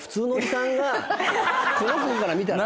この子から見たらね。